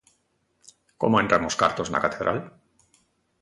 Como entran os cartos na catedral?